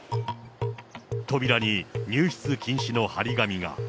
扉に入室禁止の貼り紙が。